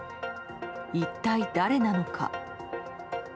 一体誰なのか。